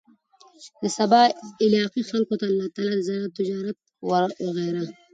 د سبا علاقې خلکو ته الله تعالی د زراعت، تجارت وغيره